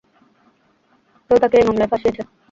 কেউ তাকে এ মামলায় ফাঁসিয়েছে।